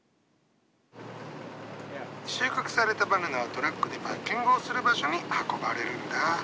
収穫されたバナナはトラックでパッキングをする場所に運ばれるんだ。